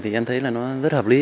thì em thấy là nó rất hợp lý